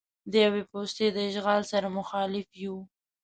د یوې پوستې له اشغال سره مخالف یو.